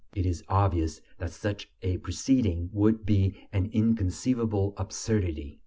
It is obvious that such a proceeding would be an inconceivable absurdity.